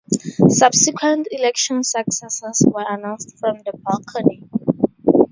Subsequent election successes were announced from the balcony.